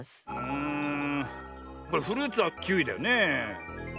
んこれフルーツはキウイだよねえ。